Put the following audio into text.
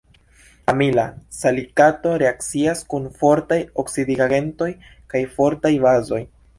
Amila salikato reakcias kun fortaj oksidigagentoj kaj fortaj bazoj.